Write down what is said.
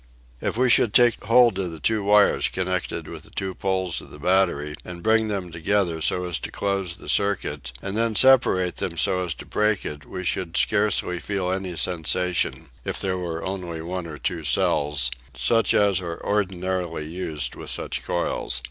If we should take hold of the two wires connected with the two poles of the battery and bring them together so as to close the circuit, and then separate them so as to break it we should scarcely feel any sensation if there were only one or two cells, such as are ordinarily used with such coils.